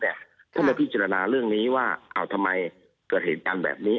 ท่านมาพิจารณาเรื่องนี้ว่าทำไมเกิดเหตุการณ์แบบนี้